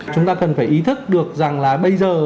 chúng ta cần phải ý thức được rằng là bây giờ